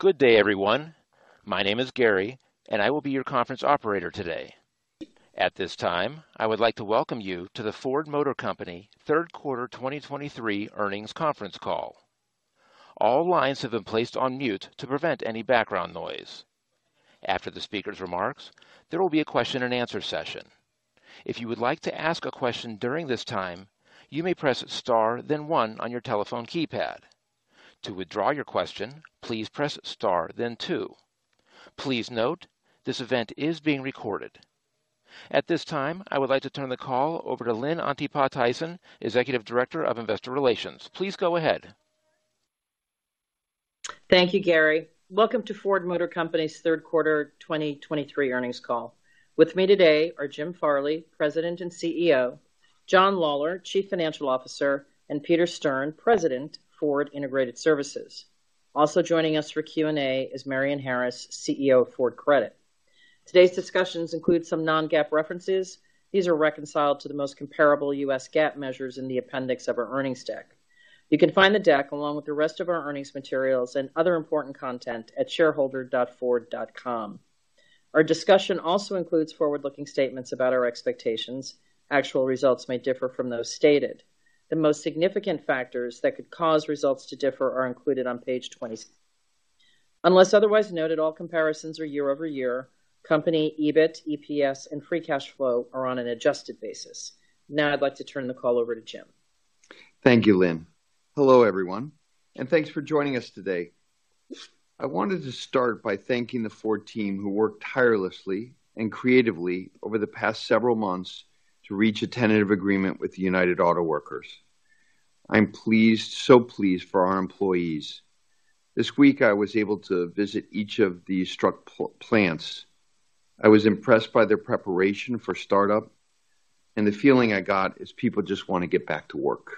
Good day, everyone. My name is Gary, and I will be your conference operator today. At this time, I would like to welcome you to the Ford Motor Company Q3 2023 earnings conference call. All lines have been placed on mute to prevent any background noise. After the speaker's remarks, there will be a question-and-answer session. If you would like to ask a question during this time, you may press star, then 1 on your telephone keypad. To withdraw your question, please press star, then 2. Please note, this event is being recorded. At this time, I would like to turn the call over to Lynn Antipas Tyson, Executive Director of Investor Relations. Please go ahead. Thank you, Gary. Welcome to Ford Motor Company's Q3 2023 earnings call. With me today are Jim Farley, President and CEO, John Lawler, Chief Financial Officer, and Peter Stern, President, Ford Integrated Services. Also joining us for Q&A is Marion Harris, CEO of Ford Credit. Today's discussions include some non-GAAP references. These are reconciled to the most comparable U.S. GAAP measures in the appendix of our earnings deck. You can find the deck, along with the rest of our earnings materials and other important content at shareholder.ford.com. Our discussion also includes forward-looking statements about our expectations. Actual results may differ from those stated. The most significant factors that could cause results to differ are included on page 20. Unless otherwise noted, all comparisons are year-over-year. Company EBIT, EPS, and free cash flow are on an adjusted basis. Now, I'd like to turn the call over to Jim. Thank you, Lynn. Hello, everyone, and thanks for joining us today. I wanted to start by thanking the Ford team who worked tirelessly and creatively over the past several months to reach a tentative agreement with the United Auto Workers. I'm pleased, so pleased for our employees. This week, I was able to visit each of the struck plants. I was impressed by their preparation for startup, and the feeling I got is people just want to get back to work.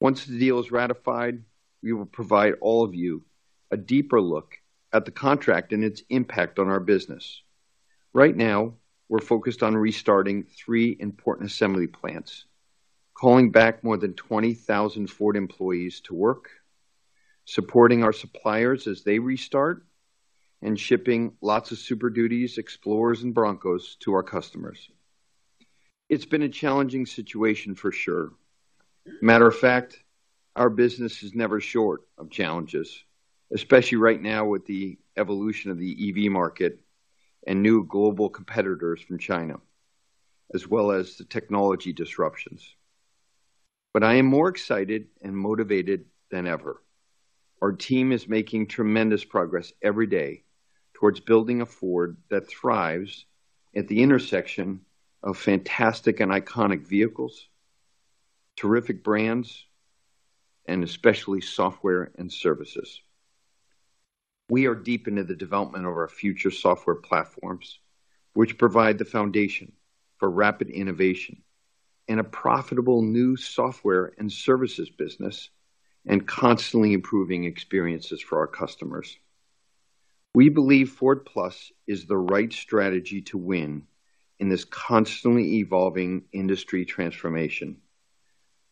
Once the deal is ratified, we will provide all of you a deeper look at the contract and its impact on our business. Right now, we're focused on restarting three important assembly plants, calling back more than 20,000 Ford employees to work, supporting our suppliers as they restart, and shipping lots of Super Duties, Explorers, and Broncos to our customers. It's been a challenging situation for sure. Matter of fact, our business is never short of challenges, especially right now with the evolution of the EV market and new global competitors from China, as well as the technology disruptions. But I am more excited and motivated than ever. Our team is making tremendous progress every day towards building a Ford that thrives at the intersection of fantastic and iconic vehicles, terrific brands, and especially software and services. We are deep into the development of our future software platforms, which provide the foundation for rapid innovation and a profitable new software and services business, and constantly improving experiences for our customers. We believe Ford+ is the right strategy to win in this constantly evolving industry transformation.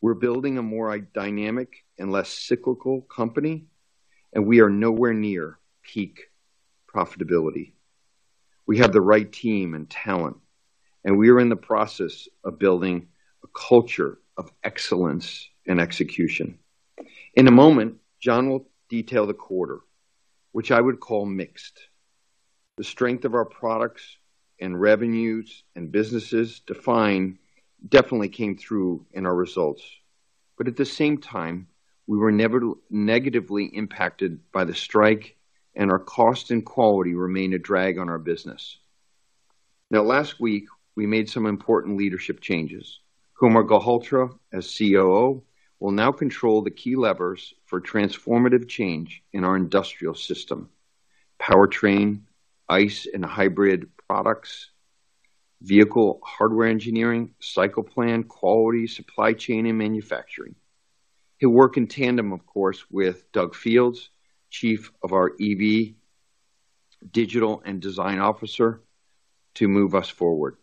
We're building a more dynamic and less cyclical company, and we are nowhere near peak profitability. We have the right team and talent, and we are in the process of building a culture of excellence and execution. In a moment, John will detail the quarter, which I would call mixed. The strength of our products and revenues and businesses definitely came through in our results. But at the same time, we were negatively impacted by the strike, and our cost and quality remain a drag on our business. Now, last week, we made some important leadership changes. Kumar Galhotra, as COO, will now control the key levers for transformative change in our industrial system: powertrain, ICE and hybrid products, vehicle hardware engineering, cycle plan, quality, supply chain, and manufacturing. He'll work in tandem, of course, with Doug Field, Chief EV, Digital and Design Officer, to move us forward.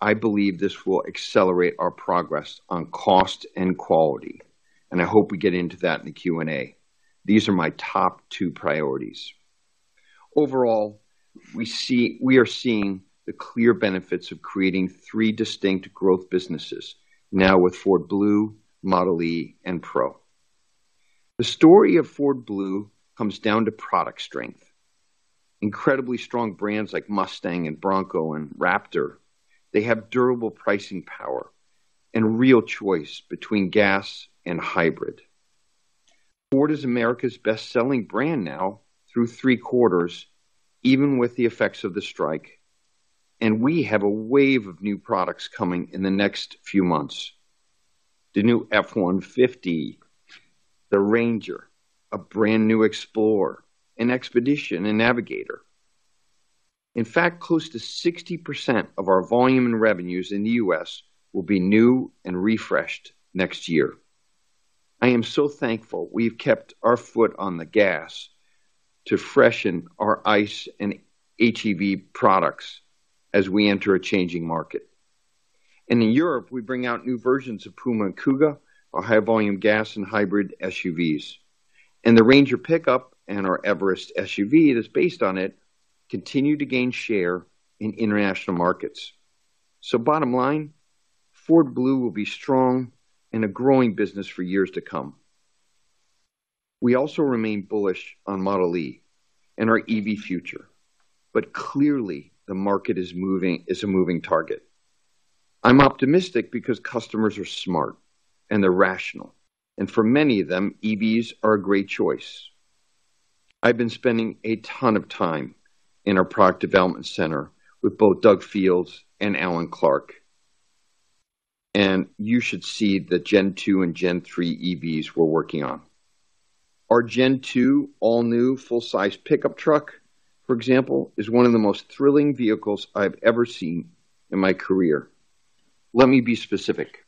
I believe this will accelerate our progress on cost and quality, and I hope we get into that in the Q&A. These are my top two priorities. Overall, we are seeing the clear benefits of creating three distinct growth businesses now with Ford Blue, Model e, and Pro. The story of Ford Blue comes down to product strength. Incredibly strong brands like Mustang and Bronco and Raptor, they have durable pricing power and real choice between gas and hybrid. Ford is America's best-selling brand now through three quarters, even with the effects of the strike, and we have a wave of new products coming in the next few months. The new F-150, the Ranger, a brand-new Explorer, an Expedition, and Navigator. In fact, close to 60% of our volume and revenues in the U.S. will be new and refreshed next year. I am so thankful we've kept our foot on the gas to freshen our ICE and HEV products as we enter a changing market. In Europe, we bring out new versions of Puma and Kuga, our high-volume gas and hybrid SUVs. The Ranger pickup and our Everest SUV that's based on it continue to gain share in international markets. Bottom line, Ford Blue will be strong and a growing business for years to come. We also remain bullish on Model e and our EV future, but clearly, the market is a moving target. I'm optimistic because customers are smart, and they're rational, and for many of them, EVs are a great choice. I've been spending a ton of time in our product development center with both Doug Field and Alan Clarke, and you should see the Gen Two and Gen Three EVs we're working on. Our Gen Two all-new full-size pickup truck, for example, is one of the most thrilling vehicles I've ever seen in my career. Let me be specific.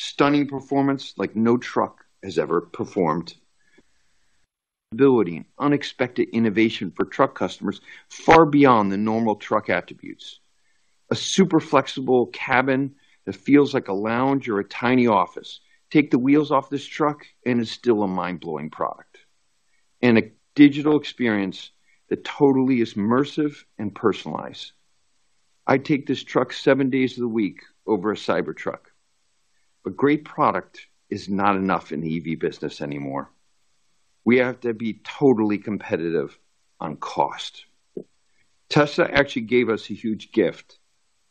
Stunning performance like no truck has ever performed. Stability and unexpected innovation for truck customers far beyond the normal truck attributes. A super flexible cabin that feels like a lounge or a tiny office. Take the wheels off this truck, and it's still a mind-blowing product. And a digital experience that totally is immersive and personalized. I'd take this truck seven days of the week over a Cybertruck. But great product is not enough in the EV business anymore. We have to be totally competitive on cost. Tesla actually gave us a huge gift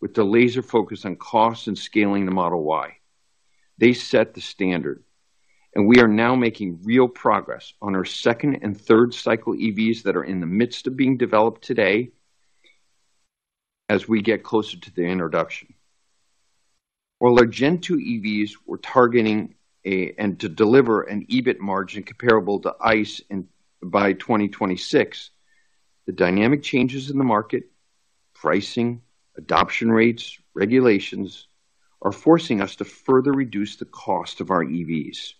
with the laser focus on cost and scaling the Model Y. They set the standard, and we are now making real progress on our second and third cycle EVs that are in the midst of being developed today as we get closer to the introduction. While our Gen Two EVs were targeting a-- and to deliver an EBIT margin comparable to ICE in, by 2026, the dynamic changes in the market, pricing, adoption rates, regulations, are forcing us to further reduce the cost of our EVs.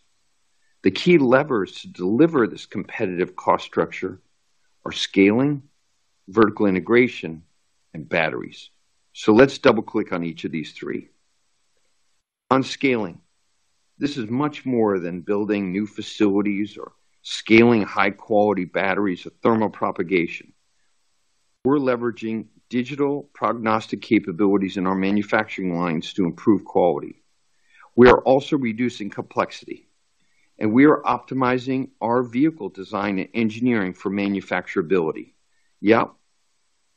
The key levers to deliver this competitive cost structure are scaling, vertical integration, and batteries. Let's double-click on each of these three. On scaling, this is much more than building new facilities or scaling high-quality batteries or thermal propagation. We're leveraging digital prognostic capabilities in our manufacturing lines to improve quality. We are also reducing complexity, and we are optimizing our vehicle design and engineering for manufacturability. Yep,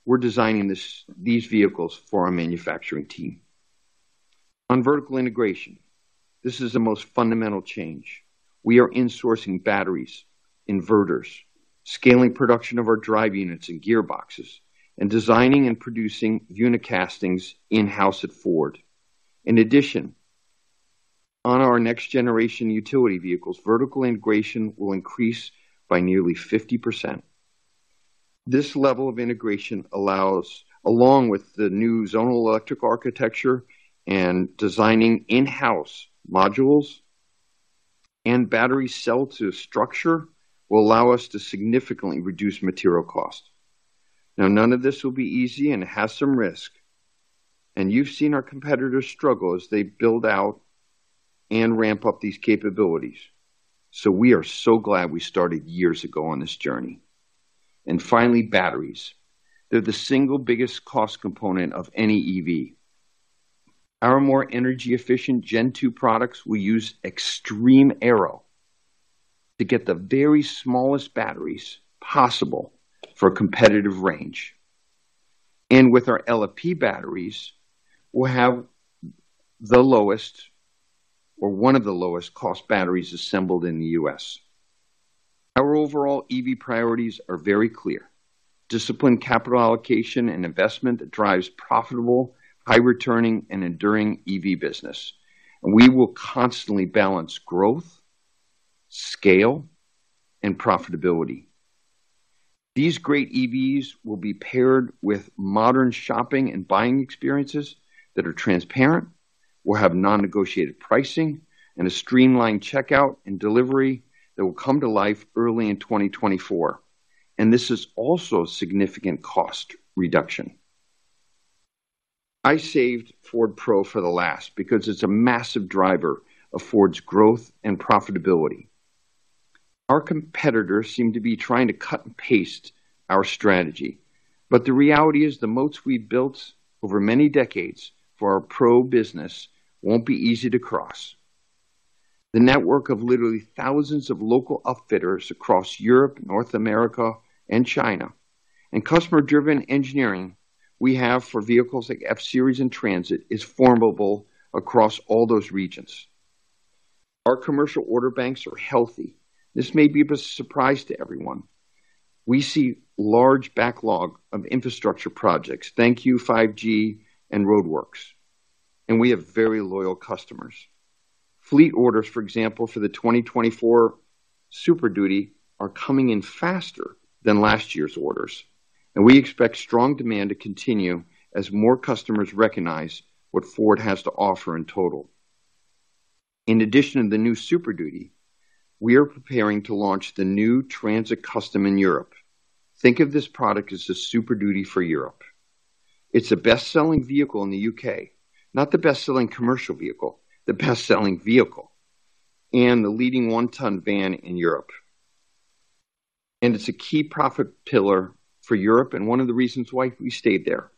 we're designing this, these vehicles for our manufacturing team. On vertical integration, this is the most fundamental change. We are insourcing batteries, inverters, scaling production of our drive units and gearboxes, and designing and producing unicastings in-house at Ford. In addition, on our next-generation utility vehicles, vertical integration will increase by nearly 50%. This level of integration, along with the new zonal electric architecture and designing in-house modules and battery cell to structure, will allow us to significantly reduce material costs. Now, none of this will be easy and has some risk, and you've seen our competitors struggle as they build out and ramp up these capabilities. We are so glad we started years ago on this journey. Finally, batteries. They're the single biggest cost component of any EV. Our more energy-efficient Gen Two products will use extreme aero to get the very smallest batteries possible for a competitive range. With our LFP batteries, we'll have the lowest or one of the lowest-cost batteries assembled in the U.S. Our overall EV priorities are very clear. Disciplined capital allocation and investment that drives profitable, high-returning, and enduring EV business. We will constantly balance growth, scale, and profitability. These great EVs will be paired with modern shopping and buying experiences that are transparent, will have non-negotiated pricing, and a streamlined checkout and delivery that will come to life early in 2024. This is also a significant cost reduction. I saved Ford Pro for the last because it's a massive driver of Ford's growth and profitability. Our competitors seem to be trying to cut and paste our strategy, but the reality is the moats we've built over many decades for our Pro business won't be easy to cross. The network of literally thousands of local upfitters across Europe, North America, and China, and customer-driven engineering we have for vehicles like F-Series and Transit is formidable across all those regions. Our commercial order banks are healthy. This may be a surprise to everyone. We see a large backlog of infrastructure projects. Thank you, 5G and roadworks, and we have very loyal customers. Fleet orders, for example, for the 2024 Super Duty, are coming in faster than last year's orders, and we expect strong demand to continue as more customers recognize what Ford has to offer in total. In addition to the new Super Duty, we are preparing to launch the new Transit Custom in Europe. Think of this product as the Super Duty for Europe. It's the best-selling vehicle in the UK, not the best-selling commercial vehicle, the best-selling vehicle, and the leading one-ton van in Europe. And it's a key profit pillar for Europe and one of the reasons why we stayed there.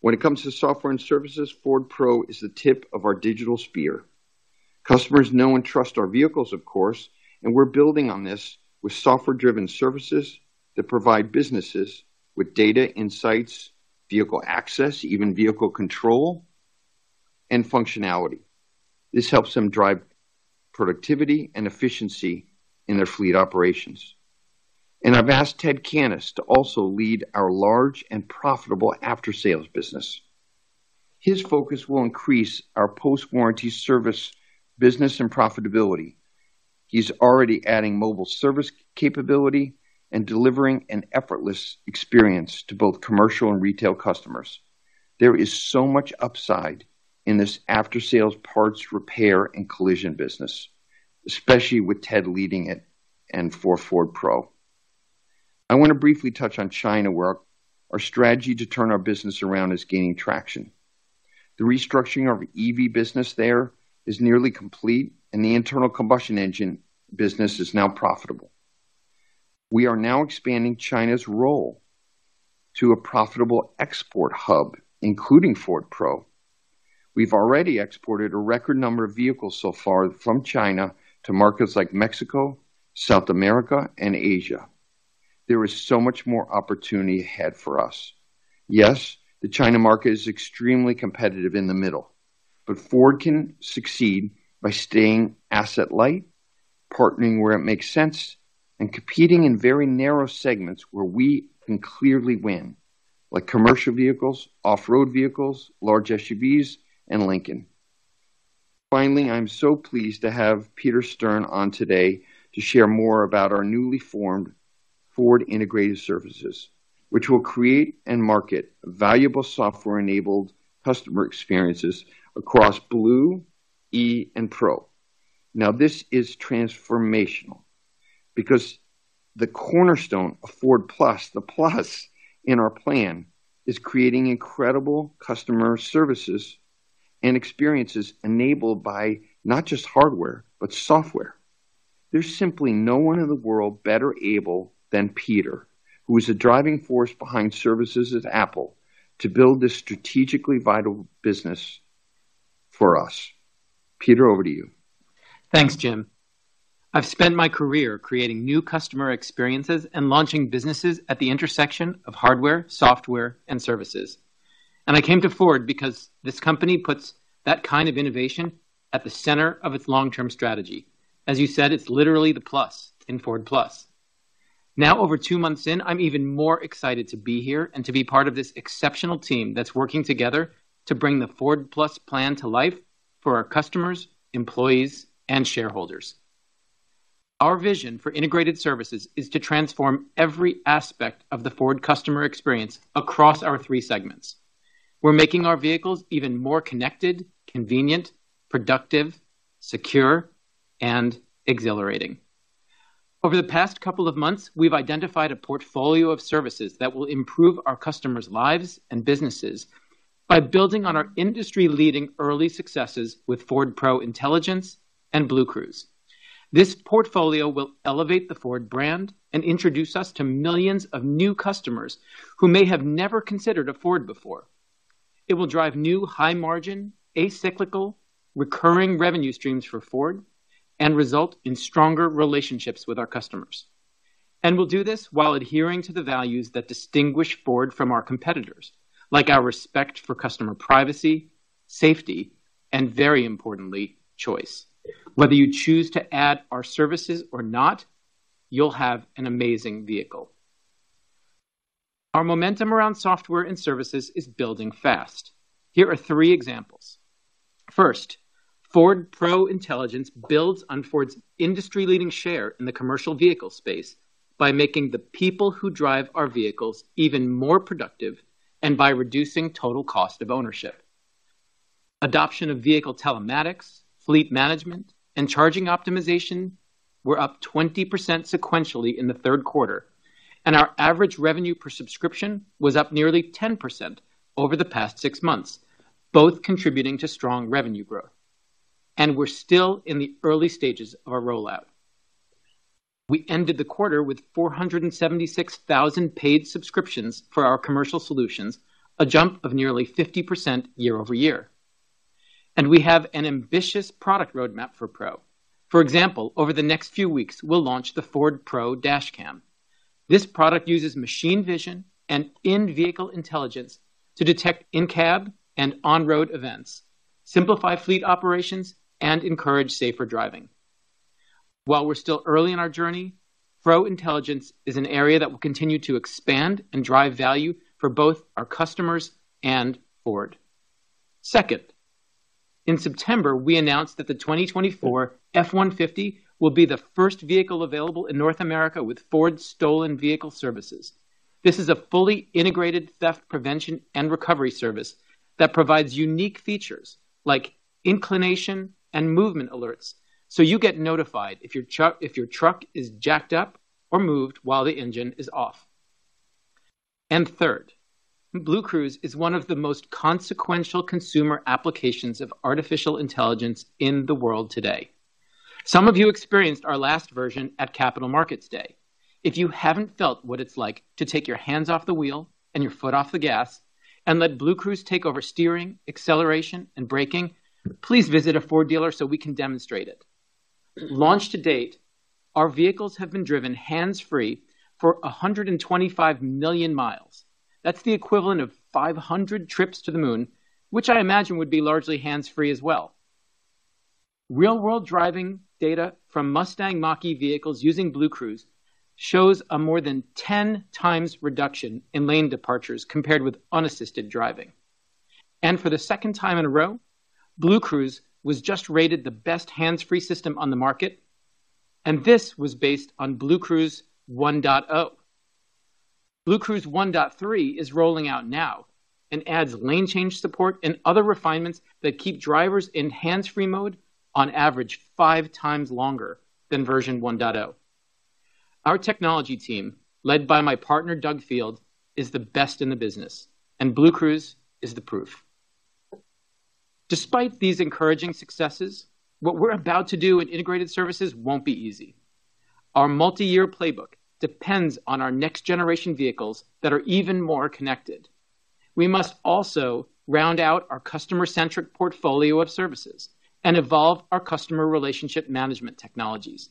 When it comes to software and services, Ford Pro is the tip of our digital spear. Customers know and trust our vehicles, of course, and we're building on this with software-driven services that provide businesses with data, insights, vehicle access, even vehicle control, and functionality. This helps them drive productivity and efficiency in their fleet operations. And I've asked Ted Cannis to also lead our large and profitable after-sales business. His focus will increase our post-warranty service, business, and profitability. He's already adding mobile service capability and delivering an effortless experience to both commercial and retail customers. There is so much upside in this after-sales, parts, repair, and collision business, especially with Ted leading it and for Ford Pro. I want to briefly touch on China, where our strategy to turn our business around is gaining traction. The restructuring of EV business there is nearly complete, and the internal combustion engine business is now profitable. We are now expanding China's role to a profitable export hub, including Ford Pro. We've already exported a record number of vehicles so far from China to markets like Mexico, South America, and Asia. There is so much more opportunity ahead for us. Yes, the China market is extremely competitive in the middle, but Ford can succeed by staying asset light, partnering where it makes sense, and competing in very narrow segments where we can clearly win, like commercial vehicles, off-road vehicles, large SUVs, and Lincoln. Finally, I'm so pleased to have Peter Stern on today to share more about our newly formed Ford Integrated Services, which will create and market valuable software-enabled customer experiences across Blue, E, and Pro. Now, this is transformational because the cornerstone of Ford+, the plus in our plan, is creating incredible customer services and experiences enabled by not just hardware, but software. There's simply no one in the world better able than Peter, who is the driving force behind services at Apple, to build this strategically vital business for us. Peter, over to you. Thanks, Jim. I've spent my career creating new customer experiences and launching businesses at the intersection of hardware, software, and services. I came to Ford because this company puts that kind of innovation at the center of its long-term strategy. As you said, it's literally the plus in Ford+. Now, over two months in, I'm even more excited to be here and to be part of this exceptional team that's working together to bring the Ford+ plan to life for our customers, employees, and shareholders. Our vision for integrated services is to transform every aspect of the Ford customer experience across our three segments. We're making our vehicles even more connected, convenient, productive, secure, and exhilarating. Over the past couple of months, we've identified a portfolio of services that will improve our customers' lives and businesses by building on our industry-leading early successes with Ford Pro Intelligence and BlueCruise. This portfolio will elevate the Ford brand and introduce us to millions of new customers who may have never considered a Ford before. It will drive new, high-margin, acyclical, recurring revenue streams for Ford and result in stronger relationships with our customers. We'll do this while adhering to the values that distinguish Ford from our competitors, like our respect for customer privacy, safety, and very importantly, choice. Whether you choose to add our services or not, you'll have an amazing vehicle. Our momentum around software and services is building fast. Here are three examples: First, Ford Pro Intelligence builds on Ford's industry-leading share in the commercial vehicle space by making the people who drive our vehicles even more productive and by reducing total cost of ownership. Adoption of vehicle telematics, fleet management, and charging optimization were up 20% sequentially in the Q3, and our average revenue per subscription was up nearly 10% over the past six months, both contributing to strong revenue growth. We're still in the early stages of our rollout. We ended the quarter with 476,000 paid subscriptions for our commercial solutions, a jump of nearly 50% year-over-year. We have an ambitious product roadmap for Pro. For example, over the next few weeks, we'll launch the Ford Pro Dashcam. This product uses machine vision and in-vehicle intelligence to detect in-cab and on-road events, simplify fleet operations, and encourage safer driving. While we're still early in our journey, Pro Intelligence is an area that will continue to expand and drive value for both our customers and Ford. Second, in September, we announced that the 2024 F-150 will be the first vehicle available in North America with Ford's Stolen Vehicle Services. This is a fully integrated theft prevention and recovery service that provides unique features like inclination and movement alerts, so you get notified if your truck is jacked up or moved while the engine is off. Third, BlueCruise is one of the most consequential consumer applications of artificial intelligence in the world today. Some of you experienced our last version at Capital Markets Day. If you haven't felt what it's like to take your hands off the wheel and your foot off the gas and let BlueCruise take over steering, acceleration, and braking, please visit a Ford dealer so we can demonstrate it. Launched to date, our vehicles have been driven hands-free for 125 million miles. That's the equivalent of 500 trips to the moon, which I imagine would be largely hands-free as well. Real-world driving data from Mustang Mach-E vehicles using BlueCruise shows a more than 10 times reduction in lane departures compared with unassisted driving. And for the second time in a row, BlueCruise was just rated the best hands-free system on the market, and this was based on BlueCruise 1.0. BlueCruise 1.3 is rolling out now and adds lane change support and other refinements that keep drivers in hands-free mode on average 5 times longer than version 1.0. Our technology team, led by my partner, Doug Field, is the best in the business, and BlueCruise is the proof. Despite these encouraging successes, what we're about to do in integrated services won't be easy. Our multi-year playbook depends on our next-generation vehicles that are even more connected. We must also round out our customer-centric portfolio of services and evolve our customer relationship management technologies.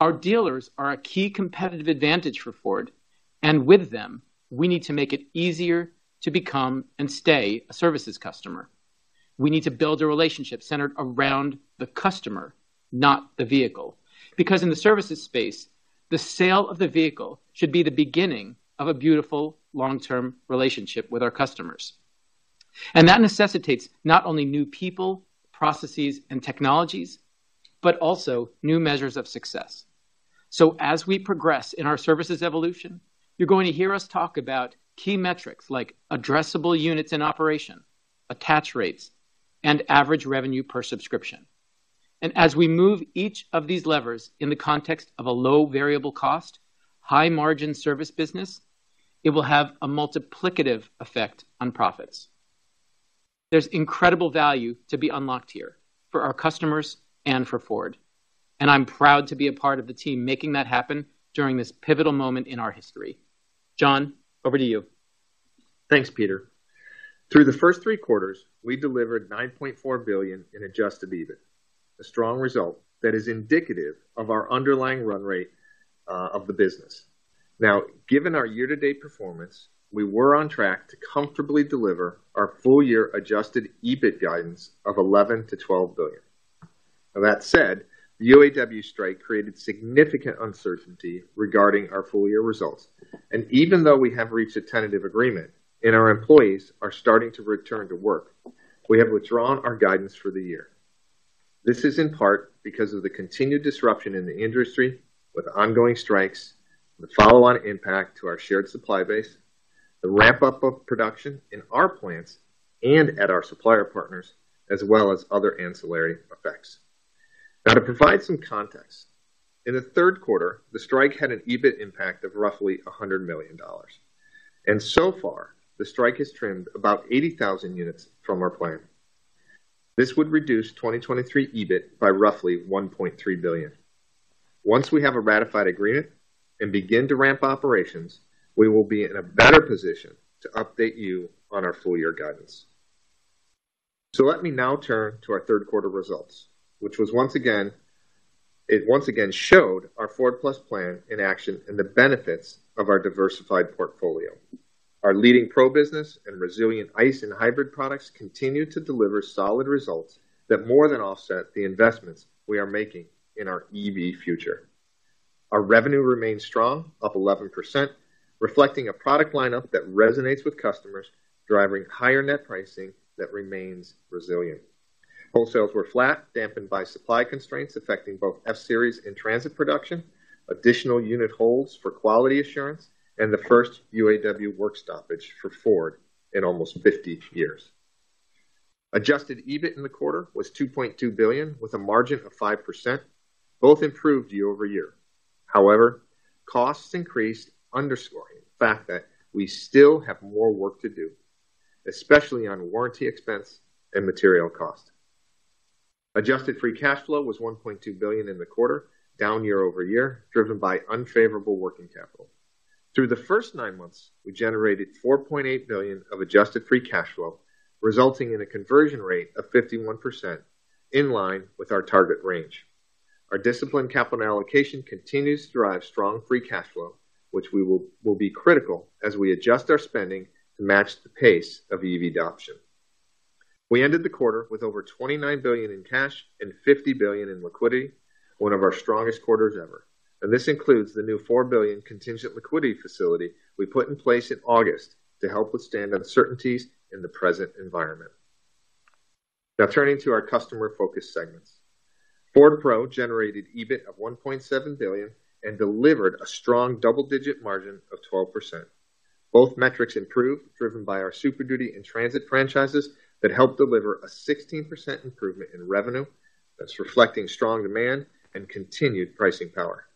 Our dealers are a key competitive advantage for Ford, and with them, we need to make it easier to become and stay a services customer. We need to build a relationship centered around the customer, not the vehicle, because in the services space, the sale of the vehicle should be the beginning of a beautiful long-term relationship with our customers. That necessitates not only new people, processes, and technologies, but also new measures of success. As we progress in our services evolution, you're going to hear us talk about key metrics like addressable units in operation, attach rates, and average revenue per subscription. As we move each of these levers in the context of a low variable cost, high-margin service business, it will have a multiplicative effect on profits. There's incredible value to be unlocked here for our customers and for Ford, and I'm proud to be a part of the team making that happen during this pivotal moment in our history. John, over to you. Thanks, Peter. Through the first three quarters, we delivered $9.4 billion in adjusted EBIT, a strong result that is indicative of our underlying run rate of the business. Now, given our year-to-date performance, we were on track to comfortably deliver our full-year adjusted EBIT guidance of $11 billion-$12 billion. Now, that said, the UAW strike created significant uncertainty regarding our full-year results, and even though we have reached a tentative agreement and our employees are starting to return to work, we have withdrawn our guidance for the year. This is in part because of the continued disruption in the industry with ongoing strikes, the follow-on impact to our shared supply base, the ramp-up of production in our plants and at our supplier partners, as well as other ancillary effects. Now, to provide some context, in the Q3, the strike had an EBIT impact of roughly $100 million, and so far, the strike has trimmed about 80,000 units from our plan. This would reduce 2023 EBIT by roughly $1.3 billion. Once we have a ratified agreement and begin to ramp operations, we will be in a better position to update you on our full-year guidance. Let me now turn to our Q3 results, which once again showed our Ford+ plan in action and the benefits of our diversified portfolio. Our leading Pro business and resilient ICE and hybrid products continued to deliver solid results that more than offset the investments we are making in our EV future. Our revenue remains strong, up 11%, reflecting a product lineup that resonates with customers, driving higher net pricing that remains resilient. Wholesales were flat, dampened by supply constraints affecting both F-Series and Transit production, additional unit holds for quality assurance, and the first UAW work stoppage for Ford in almost 50 years. Adjusted EBIT in the quarter was $2.2 billion, with a margin of 5%, both improved year-over-year. However, costs increased, underscoring the fact that we still have more work to do, especially on warranty expense and material cost. Adjusted free cash flow was $1.2 billion in the quarter, down year-over-year, driven by unfavorable working capital. Through the first 9 months, we generated $4.8 billion of adjusted free cash flow, resulting in a conversion rate of 51%, in line with our target range. Our disciplined capital allocation continues to drive strong free cash flow, which we will be critical as we adjust our spending to match the pace of EV adoption. We ended the quarter with over $29 billion in cash and $50 billion in liquidity, one of our strongest quarters ever, and this includes the new $4 billion contingent liquidity facility we put in place in August to help withstand uncertainties in the present environment.... Now turning to our customer-focused segments. Ford Pro generated EBIT of $1.7 billion and delivered a strong double-digit margin of 12%. Both metrics improved, driven by our Super Duty and Transit franchises that helped deliver a 16% improvement in revenue that's reflecting strong demand and continued pricing power.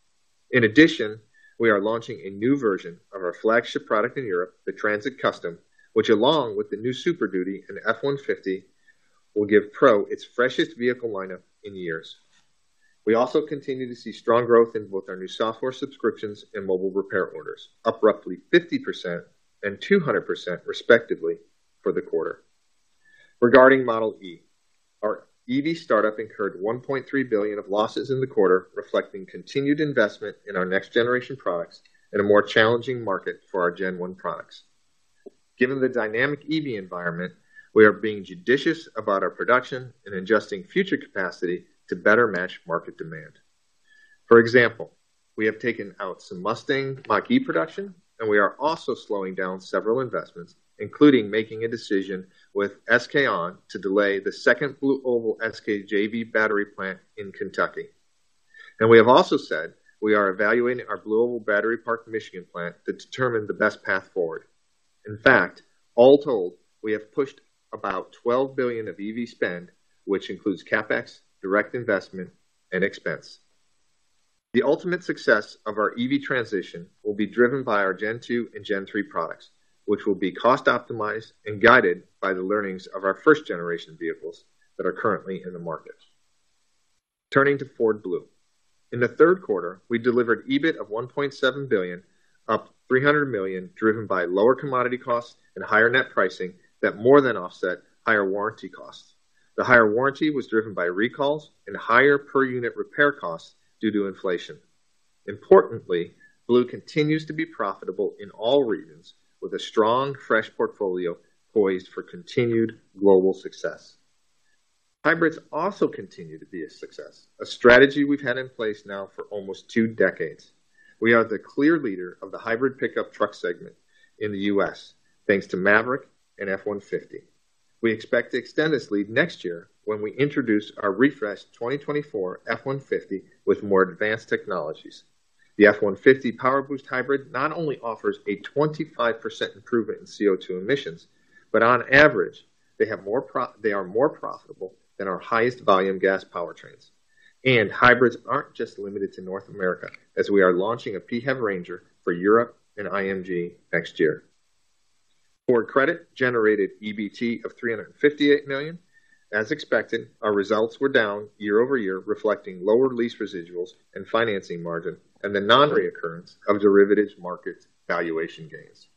In addition, we are launching a new version of our flagship product in Europe, the Transit Custom, which along with the new Super Duty and F-150, will give Pro its freshest vehicle lineup in years. We also continue to see strong growth in both our new software subscriptions and mobile repair orders, up roughly 50% and 200%, respectively, for the quarter. Regarding Model e, our EV startup incurred $1.3 billion of losses in the quarter, reflecting continued investment in our next-generation products and a more challenging market for our Gen One products. Given the dynamic EV environment, we are being judicious about our production and adjusting future capacity to better match market demand. For example, we have taken out some Mustang Mach-E production, and we are also slowing down several investments, including making a decision with SK On to delay the second BlueOval SK JV battery plant in Kentucky. We have also said we are evaluating our BlueOval Battery Park Michigan plant to determine the best path forward. In fact, all told, we have pushed about $12 billion of EV spend, which includes CapEx, direct investment, and expense. The ultimate success of our EV transition will be driven by our Gen Two and Gen Three products, which will be cost-optimized and guided by the learnings of our first-generation vehicles that are currently in the market. Turning to Ford Blue. In the Q3, we delivered EBIT of $1.7 billion, up $300 million, driven by lower commodity costs and higher net pricing that more than offset higher warranty costs. The higher warranty was driven by recalls and higher per-unit repair costs due to inflation. Importantly, Blue continues to be profitable in all regions, with a strong, fresh portfolio poised for continued global success. Hybrids also continue to be a success, a strategy we've had in place now for almost 20 years. We are the clear leader of the hybrid pickup truck segment in the U.S., thanks to Maverick and F-150. We expect to extend this lead next year when we introduce our refreshed 2024 F-150 with more advanced technologies. The F-150 PowerBoost hybrid not only offers a 25% improvement in CO2 emissions, but on average, they have more pro-- they are more profitable than our highest volume gas powertrains. Hybrids aren't just limited to North America, as we are launching a PHEV Ranger for Europe and IMG next year. Ford Credit generated EBT of $358 million. As expected, our results were down year-over-year, reflecting lower lease residuals and financing margin, and the non-reoccurrence of derivatives market valuation gains.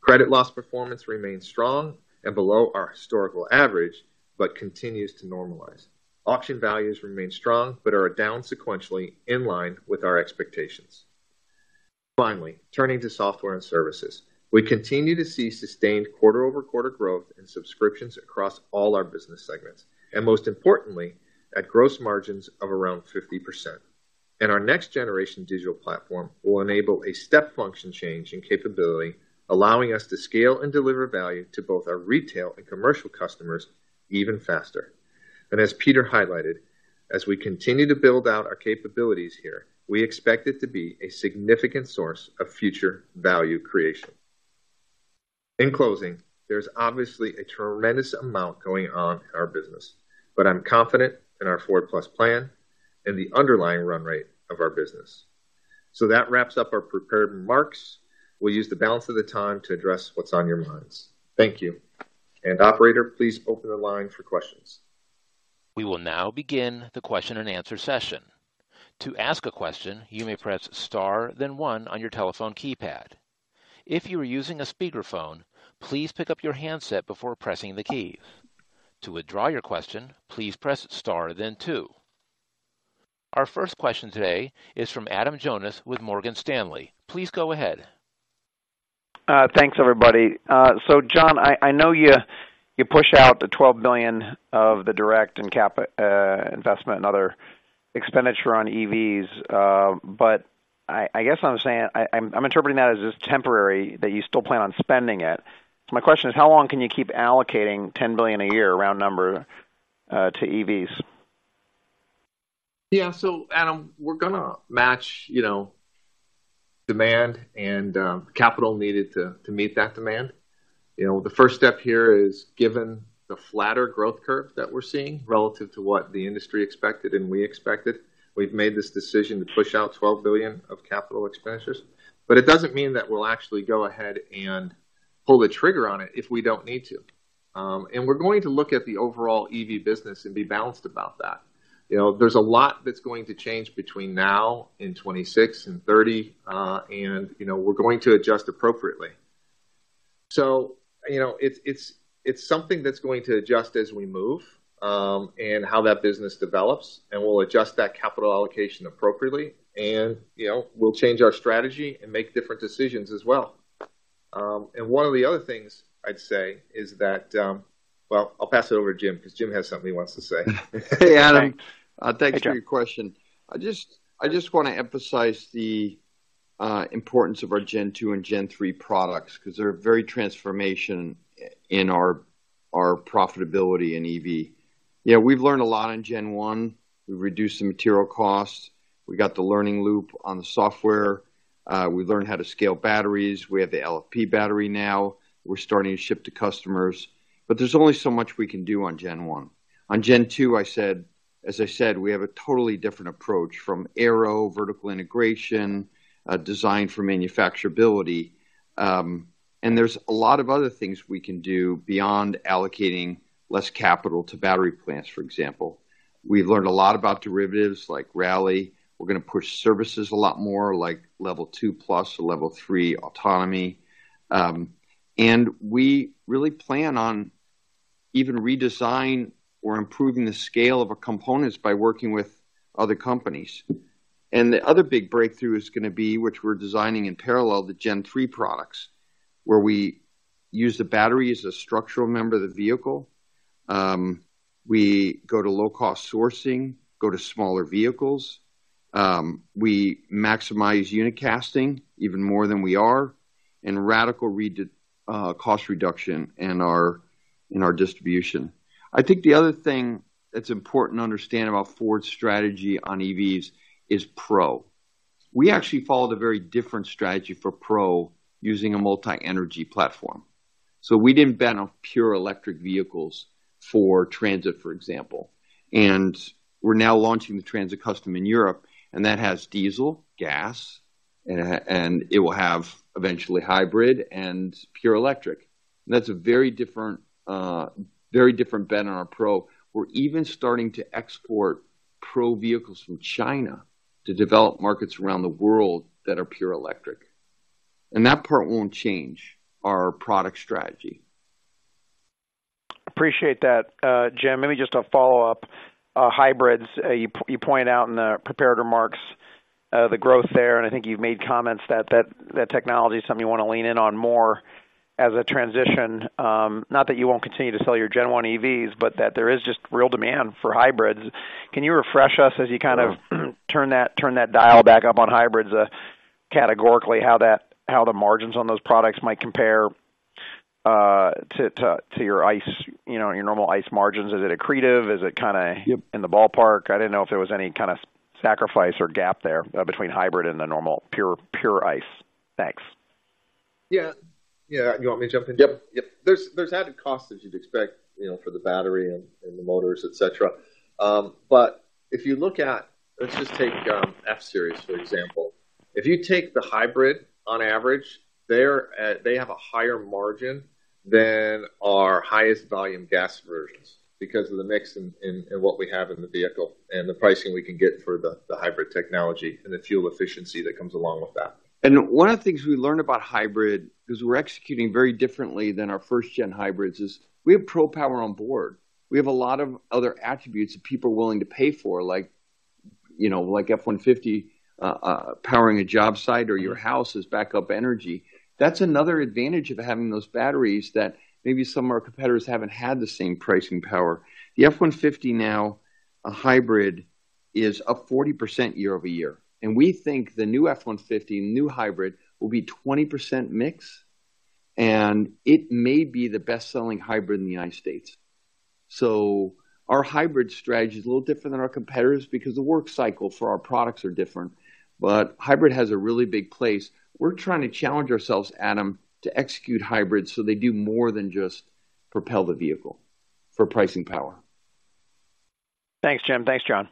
Credit loss performance remains strong and below our historical average, but continues to normalize. Auction values remain strong, but are down sequentially in line with our expectations. Finally, turning to software and services. We continue to see sustained quarter-over-quarter growth in subscriptions across all our business segments, and most importantly, at gross margins of around 50%. Our next-generation digital platform will enable a step function change in capability, allowing us to scale and deliver value to both our retail and commercial customers even faster. As Peter highlighted, as we continue to build out our capabilities here, we expect it to be a significant source of future value creation. In closing, there's obviously a tremendous amount going on in our business, but I'm confident in our Ford+ plan and the underlying run rate of our business. That wraps up our prepared remarks. We'll use the balance of the time to address what's on your minds. Thank you. Operator, please open the line for questions. We will now begin the question-and-answer session. To ask a question, you may press Star, then one on your telephone keypad. If you are using a speakerphone, please pick up your handset before pressing the key. To withdraw your question, please press Star, then two. Our first question today is from Adam Jonas with Morgan Stanley. Please go ahead. Thanks, everybody. So, John, I know you pushed out the $12 billion of the direct and CapEx investment and other expenditure on EVs, but I guess what I'm saying, I'm interpreting that as just temporary, that you still plan on spending it. So my question is: How long can you keep allocating $10 billion a year, round number, to EVs? Yeah. So, Adam, we're gonna match, you know, demand and capital needed to meet that demand. You know, the first step here is, given the flatter growth curve that we're seeing relative to what the industry expected and we expected, we've made this decision to push out $12 billion of capital expenditures. But it doesn't mean that we'll actually go ahead and pull the trigger on it if we don't need to. And we're going to look at the overall EV business and be balanced about that. You know, there's a lot that's going to change between now and 2026 and 2030, and, you know, we're going to adjust appropriately. So, you know, it's something that's going to adjust as we move, and how that business develops, and we'll adjust that capital allocation appropriately, and, you know, we'll change our strategy and make different decisions as well. And one of the other things I'd say is that... Well, I'll pass it over to Jim, because Jim has something he wants to say. Hey, Adam. Hi, Jim. Thanks for your question. I just want to emphasize the importance of our Gen Two and Gen Three products, 'cause they're very transformation i-in our, our profitability in EV. Yeah, we've learned a lot in Gen One. We've reduced the material costs. We got the learning loop on the software. We learned how to scale batteries. We have the LFP battery now. We're starting to ship to customers. There's only so much we can do on Gen One. On Gen Two, as I said, we have a totally different approach from aero, vertical integration, design for manufacturability. There's a lot of other things we can do beyond allocating less capital to battery plants, for example. We've learned a lot about derivatives, like Rally. We're gonna push services a lot more, like Level Two plus, Level Three autonomy. We really plan on even redesign or improving the scale of our components by working with other companies. The other big breakthrough is gonna be, which we're designing in parallel, the Gen Three products, where we use the battery as a structural member of the vehicle. We go to low-cost sourcing, go to smaller vehicles. We maximize unicasting even more than we are, and radical re- cost reduction in our, in our distribution. I think the other thing that's important to understand about Ford's strategy on EVs is Pro. We actually followed a very different strategy for Pro, using a multi-energy platform. We didn't bet on pure electric vehicles for Transit, for example. We're now launching the Transit Custom in Europe, and that has diesel, gas, and it will have eventually hybrid and pure electric. That's a very different, very different bet on our Pro. We're even starting to export Pro vehicles from China to developing markets around the world that are pure electric. And that part won't change our product strategy. Appreciate that, Jim. Maybe just a follow-up. Hybrids, you point out in the prepared remarks, the growth there, and I think you've made comments that technology is something you want to lean in on more as a transition. Not that you won't continue to sell your Gen One EVs, but that there is just real demand for hybrids. Can you refresh us as you kind of- Sure. turn that dial back up on hybrids, categorically, how the margins on those products might compare to your ICE, you know, your normal ICE margins? Is it accretive? Is it kinda- Yep... in the ballpark? I didn't know if there was any kind of sacrifice or gap there, between hybrid and the normal, pure, pure ICE. Thanks. Yeah. Yeah. You want me to jump in? Yep, yep. There's added costs, as you'd expect, you know, for the battery and the motors, et cetera. But if you look at... Let's just take F-Series, for example. If you take the hybrid on average, they're at—they have a higher margin than our highest volume gas versions because of the mix and what we have in the vehicle and the pricing we can get for the hybrid technology and the fuel efficiency that comes along with that. One of the things we learned about hybrid, because we're executing very differently than our first gen hybrids, is we have Pro Power Onboard. We have a lot of other attributes that people are willing to pay for, like, you know, like F-150 powering a job site or your house as backup energy. That's another advantage of having those batteries, that maybe some of our competitors haven't had the same pricing power. The F-150 now, a hybrid, is up 40% year-over-year, and we think the new F-150, new hybrid, will be 20% mix, and it may be the best-selling hybrid in the United States. So our hybrid strategy is a little different than our competitors because the work cycle for our products are different. But hybrid has a really big place. We're trying to challenge ourselves, Adam, to execute hybrids, so they do more than just propel the vehicle for pricing power. Thanks, Jim. Thanks, John.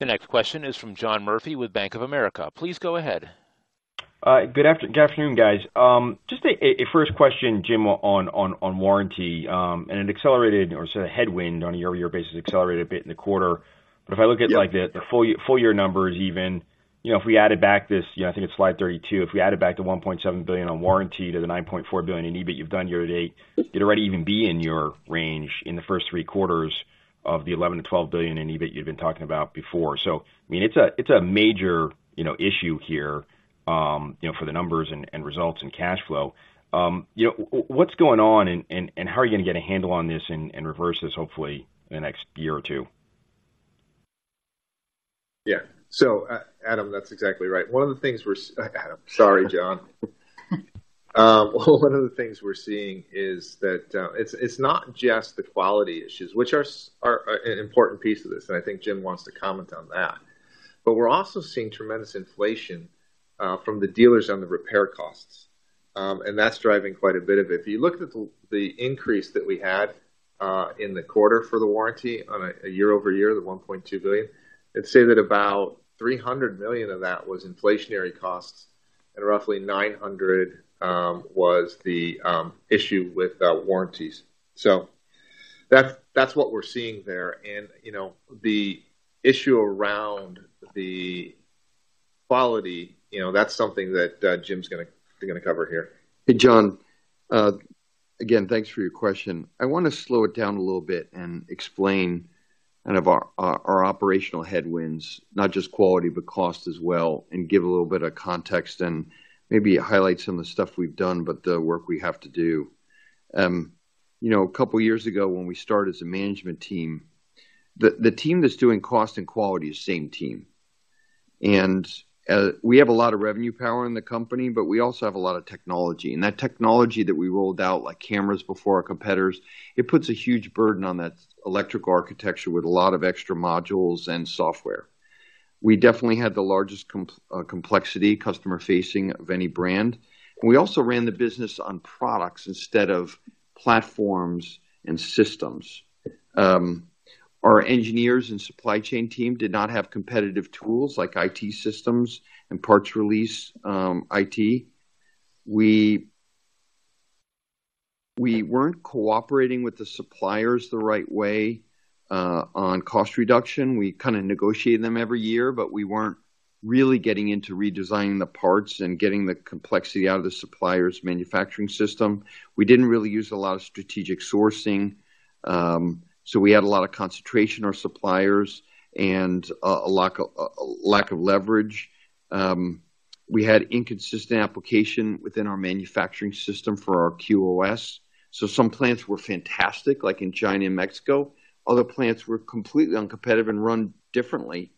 The next question is from John Murphy with Bank of America. Please go ahead. Good afternoon, guys. Just a first question, Jim, on warranty. And it accelerated or so a headwind on a year-over-year basis, accelerated a bit in the quarter. Yep. If I look at, like, the full year, full year numbers even, you know, if we added back this, you know, I think it's slide 32, if we added back the $1.7 billion on warranty to the $9.4 billion in EBIT you've done year to date, it'd already even be in your range in the first three quarters of the $11 billion-$12 billion in EBIT you've been talking about before. I mean, it's a, it's a major, you know, issue here, you know, for the numbers and, and results and cash flow. You know, what's going on and, and, and how are you gonna get a handle on this and, and reverse this, hopefully, in the next year or two? Yeah. Adam, that's exactly right. One of the things we're seeing is that it's not just the quality issues, which are an important piece of this, and I think Jim wants to comment on that, but we're also seeing tremendous inflation from the dealers on the repair costs, and that's driving quite a bit of it. If you look at the increase that we had in the quarter for the warranty on a year-over-year, the $1.2 billion, I'd say that about $300 million of that was inflationary costs and roughly $900 million was the issue with warranties. That's what we're seeing there. You know, the issue around the quality, you know, that's something that Jim's gonna cover here. Hey, John. Again, thanks for your question. I wanna slow it down a little bit and explain kind of our operational headwinds, not just quality, but cost as well, and give a little bit of context and maybe highlight some of the stuff we've done, but the work we have to do. You know, a couple years ago when we started as a management team, the team that's doing cost and quality is the same team. And we have a lot of revenue power in the company, but we also have a lot of technology, and that technology that we rolled out, like cameras before our competitors, it puts a huge burden on that electrical architecture with a lot of extra modules and software. We definitely had the largest complexity, customer-facing, of any brand. We also ran the business on products instead of platforms and systems. Our engineers and supply chain team did not have competitive tools like IT systems and parts release, IT. We weren't cooperating with the suppliers the right way on cost reduction. We kinda negotiated them every year, but we weren't really getting into redesigning the parts and getting the complexity out of the supplier's manufacturing system. We didn't really use a lot of strategic sourcing, so we had a lot of concentration on our suppliers and a lack of leverage. We had inconsistent application within our manufacturing system for our QOS. So some plants were fantastic, like in China and Mexico. Other plants were completely uncompetitive and run differently.